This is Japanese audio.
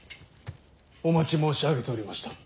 お待ち申し上げておりました。